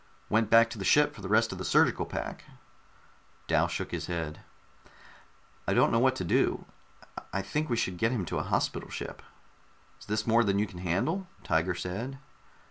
"Went back to the ship for the rest of the surgical pack." Dal shook his head. "I don't know what to do. I think we should get him to a hospital ship." "Is it more than you can handle?" Tiger said.